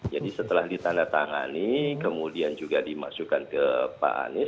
jadi setelah ditandatangani kemudian juga dimasukkan ke pak anies